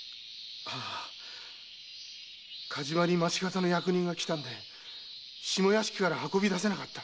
火事場に町方の役人が来たんで下屋敷から運び出せなかった。